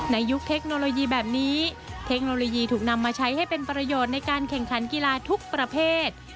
ยุคเทคโนโลยีแบบนี้เทคโนโลยีถูกนำมาใช้ให้เป็นประโยชน์ในการแข่งขันกีฬาทุกประเภท